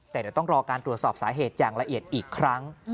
แต่เดี๋ยวต้องรอการตรวจสอบสาเหตุอย่างละเอียดอีกครั้ง